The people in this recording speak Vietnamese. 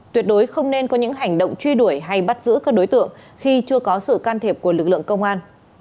tuyệt đối không nên có những hành động truy đuổi hay bắt giữ các đối tượng khi chưa có sự can thiệp của lực lượng công an